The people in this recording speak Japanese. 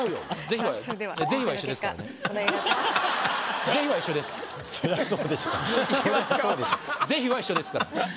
是非は一緒ですから。